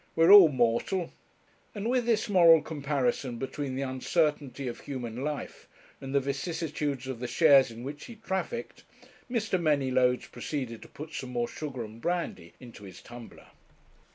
We're all mortal;' and with this moral comparison between the uncertainty of human life and the vicissitudes of the shares in which he trafficked, Mr. Manylodes proceeded to put some more sugar and brandy into his tumbler.